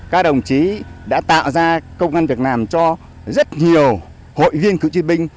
các đồng chí đã tạo ra công an việt nam cho rất nhiều hội viên cựu chiến binh